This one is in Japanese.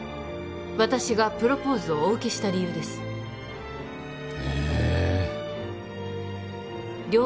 私がプロポーズをお受けした理由ですええっ！？